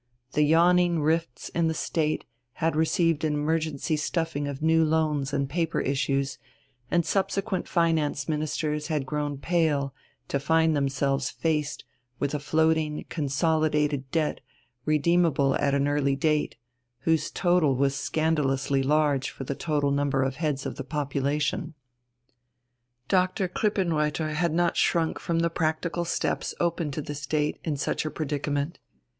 The yawning rifts in the State had received an emergency stuffing of new loans and paper issues, and subsequent Finance Ministers had grown pale to find themselves faced with a floating consolidated debt redeemable at an early date, whose total was scandalously large for the total number of heads of the population. Dr. Krippenreuther had not shrunk from the practical steps open to the State in such a predicament.